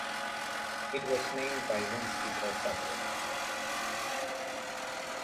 It was named by Rimsky-Korsakov.